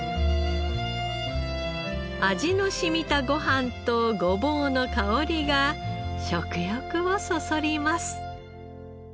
味の染みたご飯とごぼうの香りが食欲をそそります。